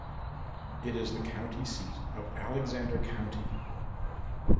It is the county seat of Alexander County.